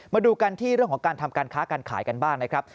มาดูกันที่เรื่องของการทำการค้าการขายกันบ้างนะครับ